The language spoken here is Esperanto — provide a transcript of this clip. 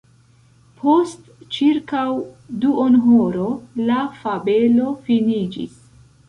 Post ĉirkaŭ duonhoro la fabelo finiĝis.